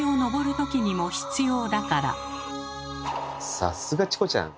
さすがチコちゃん！